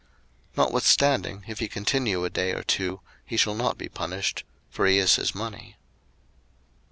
02:021:021 Notwithstanding, if he continue a day or two, he shall not be punished: for he is his money.